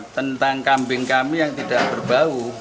tentang kambing kami yang tidak berbau